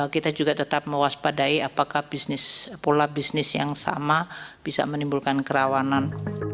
kita juga tetap mewaspadai apakah pola bisnis yang sama bisa menimbulkan kerawanan